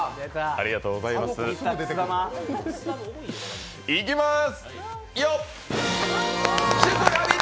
ありがとうございます。